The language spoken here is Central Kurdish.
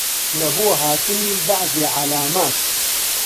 لەبۆ هاتنی بەعزێ عەلامات